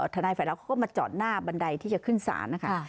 ทนายฝ่ายรับเขาก็มาจอดหน้าบันไดที่จะขึ้นศาลนะคะ